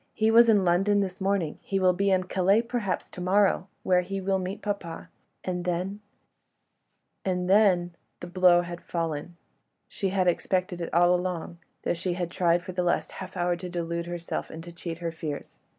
"He was in London this morning; he will be in Calais, perhaps, to morrow ... where he will meet papa ... and then ... and then ..." The blow had fallen. She had expected it all along, though she had tried for the last half hour to delude herself and to cheat her fears.